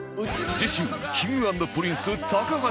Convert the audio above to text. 次週 Ｋｉｎｇ＆Ｐｒｉｎｃｅ 橋参戦